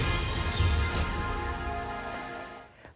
ลูกศักดี